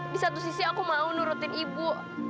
di satu sisi aku mau nurutin ibu